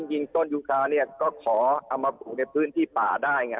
จริงโต้นยูคาริกขอเอามาปลูกในพื้นที่ป่าได้ไง